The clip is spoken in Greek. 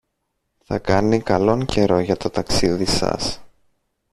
Θα κάνει καλόν καιρό για το ταξίδι σας.